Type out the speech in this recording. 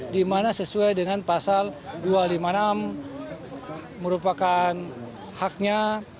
di mana sesuai dengan pasal dua ratus lima puluh enam merupakan haknya